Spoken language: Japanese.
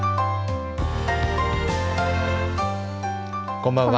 こんばんは。